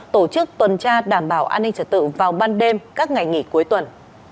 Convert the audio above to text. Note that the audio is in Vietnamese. tổ chức tuần tra đảm bảo an ninh trật tự vào ban đêm các ngày nghỉ cuối tuần